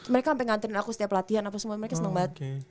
mereka sampe nganterin aku setiap latihan apa semua mereka seneng banget